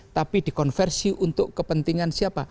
tapi dikonversi untuk kepentingan siapa